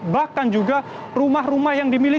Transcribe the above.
bahkan juga rumah rumah yang dimiliki